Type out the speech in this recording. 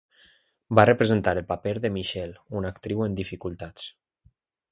Va representar el paper de Michelle, una actriu en dificultats.